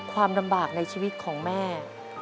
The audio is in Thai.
ความลำบากในชีวิตของแม่